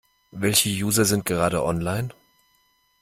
Welche User sind gerade online?